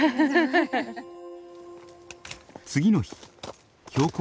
次の日標高